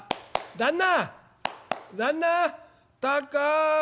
旦那！」。